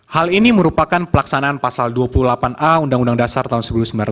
hal ini merupakan pelaksanaan pasal dua puluh delapan a undang undang dasar tahun seribu sembilan ratus empat puluh